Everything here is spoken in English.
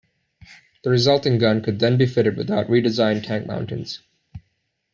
The resulting gun could then be fitted without redesigned tank mountings.